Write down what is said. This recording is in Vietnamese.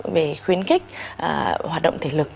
về khuyến khích hoạt động thể lực